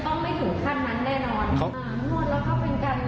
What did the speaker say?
ต้องมีเป็นการคุยซักสักเมื่อต้องก่อนให้แค่ถูกวัดเยี่ยมเขามันต้องเห็นไหม